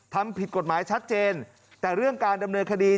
ทำผิดกฎหมายชัดเจนแต่เรื่องการดำเนินคดี